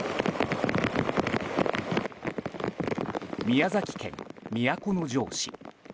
宮崎県都城市。